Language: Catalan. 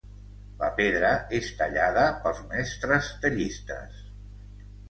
La pedra és tallada pels mestres tallistes.